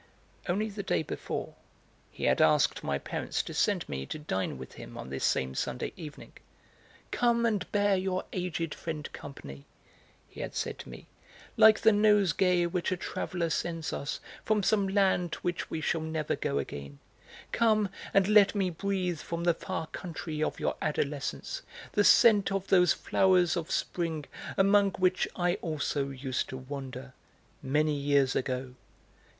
Only the day before he had asked my parents to send me to dine with him on this same Sunday evening. "Come and bear your aged friend company," he had said to me. "Like the nosegay which a traveller sends us from some land to which we shall never go again, come and let me breathe from the far country of your adolescence the scent of those flowers of spring among which I also used to wander, many years ago.